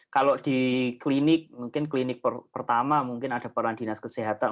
kalau di klinik mungkin klinik pertama mungkin ada peran dinas kesehatan